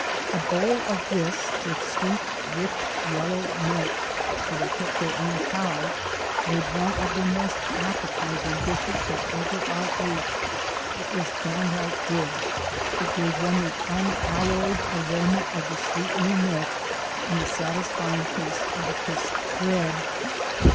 A bowl of this, with sweet, rich, yellow milk (for they kept their own cow), made one of the most appetizing dishes that ever I ate. It was downright good: it gave one the unalloyed aroma of the sweet new milk and the satisfying taste of the crisp bread.